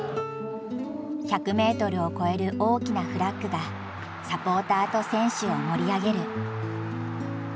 １００ｍを超える大きなフラッグがサポーターと選手を盛り上げる。